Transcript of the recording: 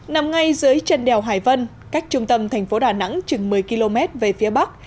nằm ngay dưới chân đèo hải vân cách trung tâm thành phố đà nẵng chừng một mươi km về phía bắc